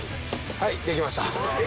はいできました。